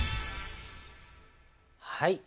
はい。